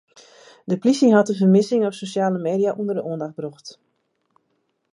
De polysje hat de fermissing op sosjale media ûnder de oandacht brocht.